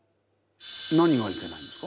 何がいけないんですか？